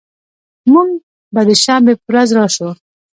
مونږ به د شنبې په ورځ راشو